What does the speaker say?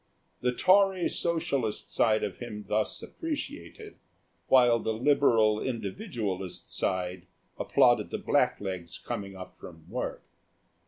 The Tory Socialist side of him thus appreciated, while the Liberal Individualist side applauded the blacklegs coming up from work.